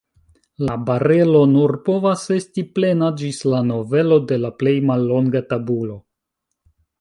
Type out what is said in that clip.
La barelo nur povas esti plena ĝis la novelo de la plej mallonga tabulo.